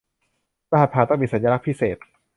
รหัสผ่านต้องมีสัญลักษณ์พิเศษ